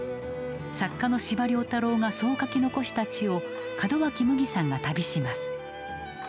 作家の司馬遼太郎がそう書き残した地を、門脇麦さんが旅します。